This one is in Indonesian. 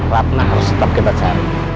ratna harus tetap kita cari